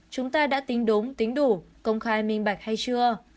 chúng ta đã tính đúng tính đủ công khai minh bạch hay chưa